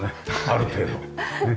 ある程度ね。